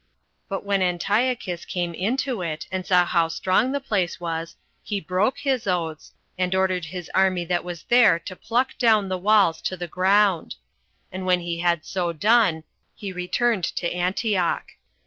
But when Antiochus came into it, and saw how strong the place was, he broke his oaths, and ordered his army that was there to pluck down the walls to the ground; and when he had so done, he returned to Antioch.